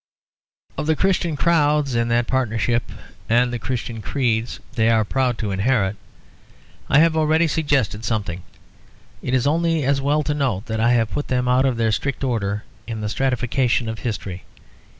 Of the Christian crowds in that partnership, and the Christian creeds they are proud to inherit, I have already suggested something; it is only as well to note that I have put them out of their strict order in the stratification of history.